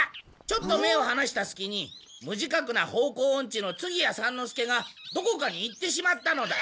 ちょっと目をはなしたすきに無自覚な方向オンチの次屋三之助がどこかに行ってしまったのだ。